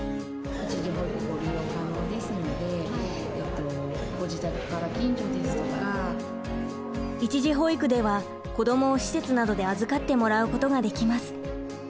一時保育では子どもを施設などで預かってもらうことができます。